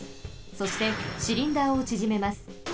そしてシリンダーをちぢめます。